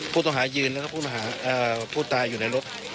ผู้ต่อหายืนแล้วก็ผู้ตายอยู่ในรถนะครับ